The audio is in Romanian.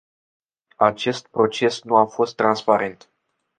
Acest proces nu a fost transparent.